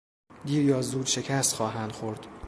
دیر یا زود شکست خواهند خورد.